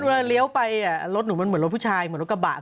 เลี้ยวไปรถหนูมันเหมือนรถผู้ชายเหมือนรถกระบะ